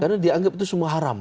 karena dia anggap itu semua haram